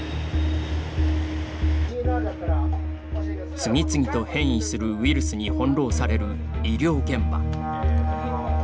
次々と変異するウイルスに翻弄される医療現場。